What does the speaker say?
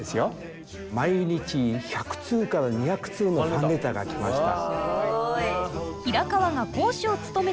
毎日１００通から２００通のファンレターが来ました。